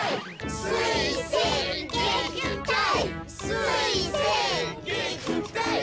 すいせい。